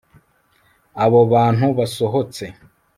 abo bantu basohotse